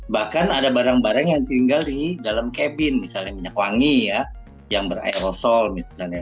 bahkan ada barang barang yang tinggal di dalam cabin misalnya minyak wangi ya yang beraerosol misalnya